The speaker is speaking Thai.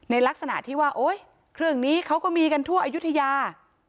ลักษณะที่ว่าโอ๊ยเครื่องนี้เขาก็มีกันทั่วอายุทยา